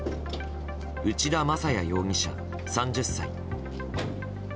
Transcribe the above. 内田正也容疑者、３０歳。